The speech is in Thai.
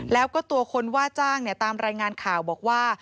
แล้วก็ตัวคนว่าจ้างตามรายงานข่าวบอกว่า